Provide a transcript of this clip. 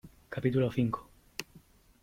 capítulo cinco .